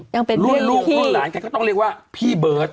ยังเป็นเรียกพี่ร่วมลูกคนหลานกันก็ต้องเรียกว่าพี่เบิร์ต